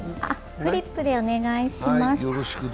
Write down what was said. フリップでお願いします。